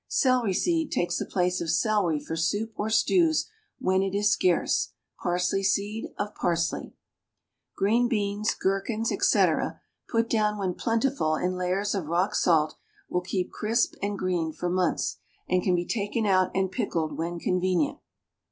Celery seed takes the place of celery for soup or stews when it is scarce; parsley seed of parsley. Green beans, gherkins, etc., put down when plentiful in layers of rock salt, will keep crisp and green for months, and can be taken out and pickled when convenient.